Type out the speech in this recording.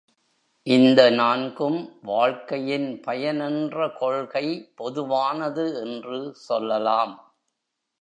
இந்த நான்கும் வாழ்க்கையின் பயனென்ற கொள்கை பொதுவானது என்று சொல்லலாம்.